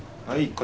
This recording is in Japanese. はい。